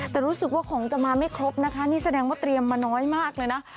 แต่รู้สึกว่าของจะมาไม่ครบนะคะนี่แสดงว่าเตรียมมาน้อยมากเลยนะ